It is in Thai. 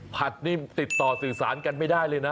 นี่ติดต่อสื่อสารกันไม่ได้เลยนะ